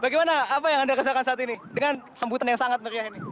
bagaimana apa yang anda rasakan saat ini dengan sambutan yang sangat meriah ini